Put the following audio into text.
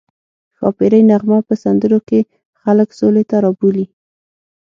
ښاپیرۍ نغمه په سندرو کې خلک سولې ته رابولي